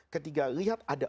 ketiga lihat ada